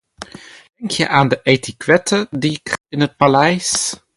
Denk je aan de etiquette die geldt in het paleis?